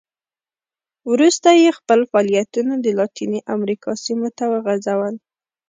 وروسته یې خپل فعالیتونه د لاتینې امریکا سیمو ته وغځول.